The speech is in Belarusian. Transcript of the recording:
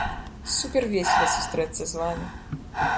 Супер весела сустрэцца з вамі!